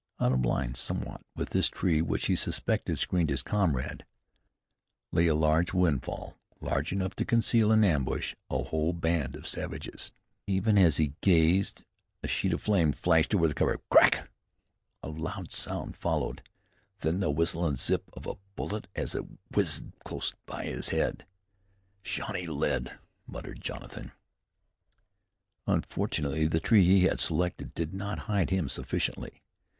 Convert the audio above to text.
Out of line, somewhat, with this tree which he suspected screened his comrade, lay a huge windfall large enough to conceal in ambush a whole band of savages. Even as he gazed a sheet of flame flashed from this covert. Crack! A loud report followed; then the whistle and zip of a bullet as it whizzed close by his head. "Shawnee lead!" muttered Jonathan. Unfortunately the tree he had selected did not hide him sufficiently.